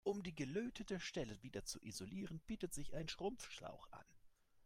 Um die gelötete Stelle wieder zu isolieren, bietet sich ein Schrumpfschlauch an.